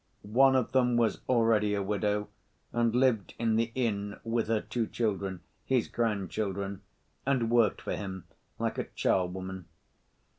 One of them was already a widow and lived in the inn with her two children, his grandchildren, and worked for him like a charwoman.